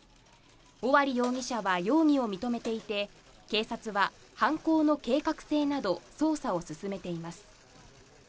尾張容疑者は容疑を認めていて、警察は犯行の計画性など捜査を進めています。